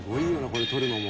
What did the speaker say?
これ撮るのも」